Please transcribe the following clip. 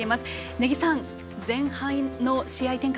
根木さん、前半の試合展開